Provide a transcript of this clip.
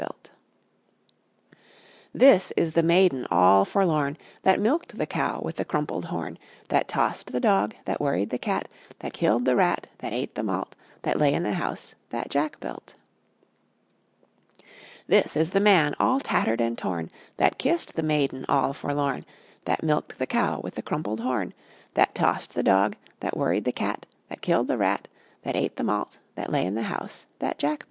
This is the Maiden all forlorn, That milked the Cow with the crumpled horn, That tossed the Dog, That worried the Cat, That killed the Rat, That ate the Malt, That lay in the House that Jack built. This is the Man all tattered and torn, That kissed the Maiden all forlorn, That milked the Cow with the crumpled horn, That tossed the Dog, That worried the Cat, That killed the Rat, That ate the Malt, That lay in the House that Jack built.